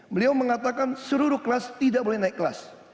beliau mengatakan seluruh kelas tidak boleh naik kelas